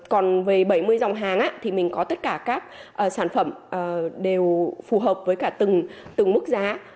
còn về bảy mươi dòng hàng thì mình có tất cả các sản phẩm đều phù hợp với cả từng mức giá